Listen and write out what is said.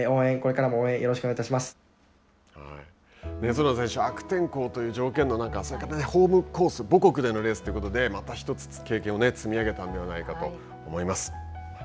角田選手悪天候という条件の中、ホームコース母国でのコースということでまた一つ、経験を積み上げたんではないかと思います。